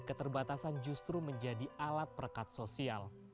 keterbatasan justru menjadi alat perekat sosial